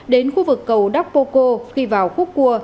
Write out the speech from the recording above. đến khu vực cầu đắc pô cô khi vào khu cua